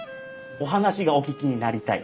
お話がお聞きになりたい？